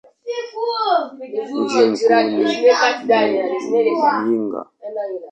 Mji mkuu ni Muyinga.